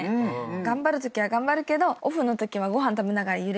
頑張るときは頑張るけどオフのときはご飯食べながら揺れてたりとか。